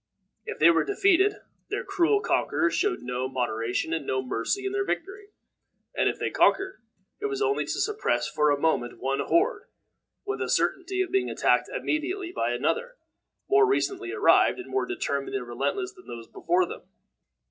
If they were defeated, their cruel conquerors showed no moderation and no mercy in their victory; and if they conquered, it was only to suppress for a moment one horde, with a certainty of being attacked immediately by another, more recently arrived, and more determined and relentless than those before them.